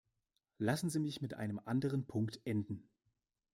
Lassen Sie mich mit einem anderen Punkt enden.